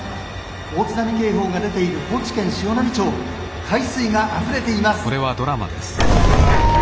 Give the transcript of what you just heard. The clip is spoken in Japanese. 大津波警報が出ている高知県潮波町海水があふれています」。